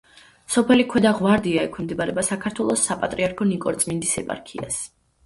სოფელი ქვედა ღვარდია ექვემდებარება საქართველოს საპატრიარქოს ნიკორწმინდის ეპარქიას.